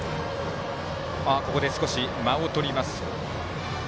ここで少し間をとります。